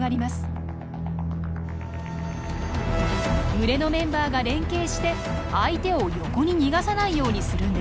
群れのメンバーが連携して相手を横に逃がさないようにするんです。